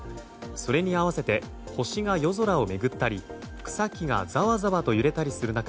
それに合わせて星が夜空を巡ったり草木がざわざわと揺れたりする中